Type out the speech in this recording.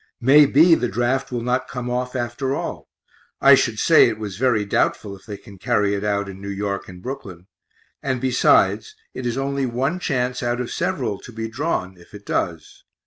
May be the draft will not come off after all; I should say it was very doubtful if they can carry it out in N. Y. and Brooklyn and besides, it is only one chance out of several, to be drawn if it does.